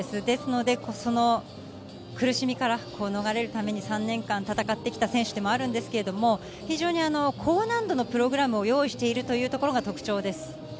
ですので、その苦しみから逃れるために３年間、戦ってきた選手でもあるんですけど、非常に高難度のプログラムを用意しているというところが特徴です。